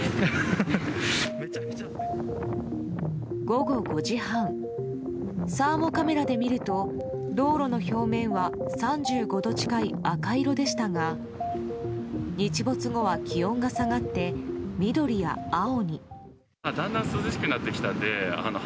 午後５時半サーモカメラで見ると道路の表面は３５度近い赤色でしたが日没後は気温が下がって緑や青に。